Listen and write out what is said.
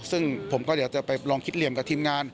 ซึ่งผมก็เดี๋ยวจะไปลองคิดเหลี่ยมกับทีมงาน